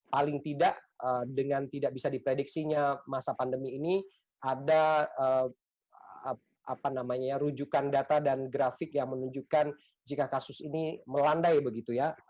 paling tidak dengan tidak bisa diprediksinya masa pandemi ini ada rujukan data dan grafik yang menunjukkan jika kasus ini melandai begitu ya